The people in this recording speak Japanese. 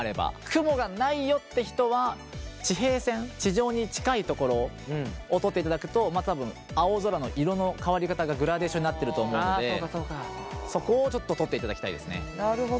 雲がないよって人は地平線地上に近い所を撮っていただくと多分青空の色の変わり方がグラデーションになってると思うのでそこをちょっと撮っていただきたいですね。